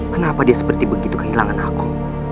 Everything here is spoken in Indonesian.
kenapa dia seperti begitu kehilangan aku